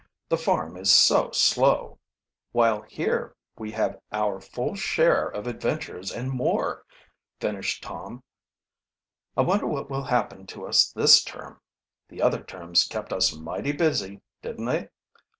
The farm is so slow " "While here we have our full share of adventures and more," finished Tom. "I wonder what will happen to us this term? The other terms kept us mighty busy, didn't they?"